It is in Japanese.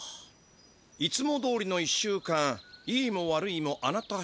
「いつもどおりの１週間いいも悪いもあなたしだい」。